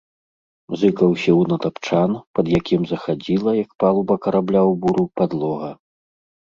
Зыкаў сеў на тапчан, пад якім захадзіла, як палуба карабля ў буру, падлога.